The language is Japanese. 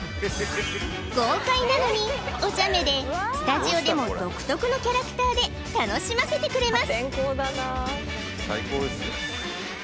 豪快なのにおちゃめでスタジオでも独特のキャラクターで楽しませてくれます